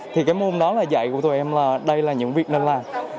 thì cái môn đó là dạy của tụi em là đây là những việc nên làm